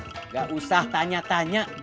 nggak usah tanya tanya